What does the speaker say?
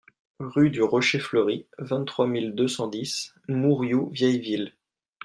Rue du Rocher Fleuri, vingt-trois mille deux cent dix Mourioux-Vieilleville